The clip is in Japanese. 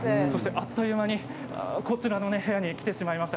あっという間にこちらの部屋に来てしまいました。